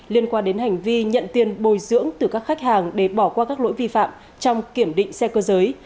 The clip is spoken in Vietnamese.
liên quan đến hành vi nhận tiền bồi dưỡng từ các khách hàng để bỏ qua các lỗi vi phạm trong kiểm định xe cơ giới